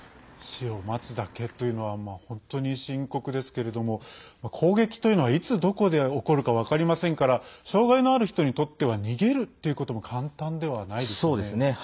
死を待つだけというのは本当に深刻ですけれども攻撃というのはいつどこで起こるか分かりませんから障害のある人にとっては逃げるということも簡単ではないですよね。